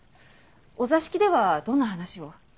お座敷ではどんな話を？